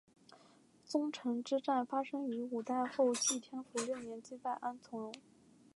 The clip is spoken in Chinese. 宗城之战发生于五代后晋天福六年击败安重荣。